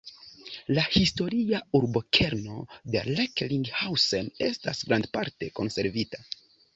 La historia urbokerno de Recklinghausen estas grandparte konservita.